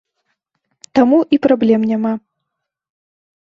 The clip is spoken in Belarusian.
Таму і праблем няма.